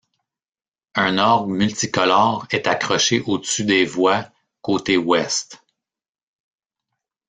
Un orgue multicolore est accroché au-dessus des voies, côté ouest.